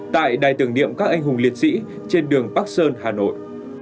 tại đài tưởng niệm các anh hùng liệt sĩ trên đường bắc sơn hà nội